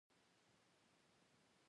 دا د بودیجې په مقایسه لاسته راځي.